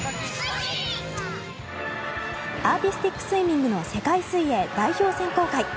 アーティスティックスイミングの世界水泳代表選考会。